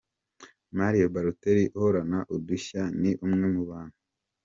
Mario Baloteli uhorana udashya ni umwe mu bantu.